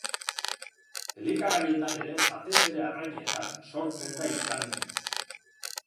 Elikagaietan ere, batez ere arrainetan, sortzen da histamina.